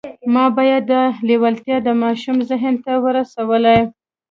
ما باید دا لېوالتیا د ماشوم ذهن ته ورسولای